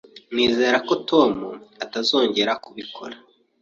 Nizere ko Tom atazongera kubikora